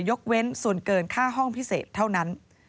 ยกเว้นส่วนเกินค่าห้องพิเศษเท่านั้น